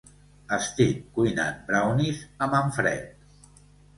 Estic cuinant brownies amb en Fred.